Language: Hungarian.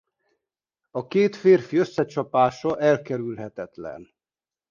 A két férfi összecsapása elkerülhetetlen.